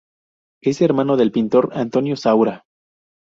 Es hermano del pintor Antonio Saura.